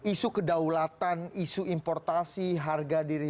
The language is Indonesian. isu kedaulatan isu importasi harga diri